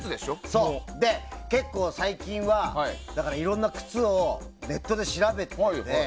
結構、最近はいろんな靴をネットで調べてて。